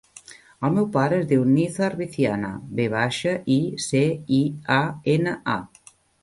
El meu pare es diu Nizar Viciana: ve baixa, i, ce, i, a, ena, a.